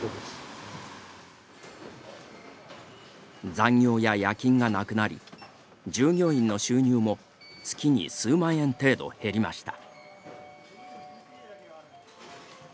残業や夜勤がなくなり従業員の収入も月に数万円程度減りました。